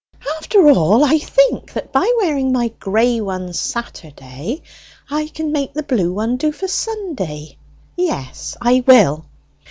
After all, I think that by wearing my gray one Saturday, I can make the blue one do for Sunday. Yes, I will.